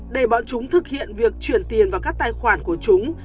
để bọn chúng thực hiện việc chuyển tiền vào các tài khoản của chúng